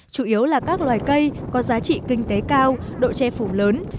chủ yếu là các loài cây có giá trị kinh tế cao độ che phủ lớn